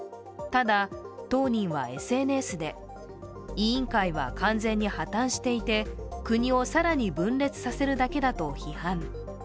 ただ、当人はＳＮＳで委員会は完全に破綻していて、国を更に分裂させるだと批判。